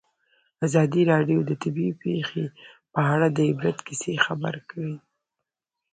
ازادي راډیو د طبیعي پېښې په اړه د عبرت کیسې خبر کړي.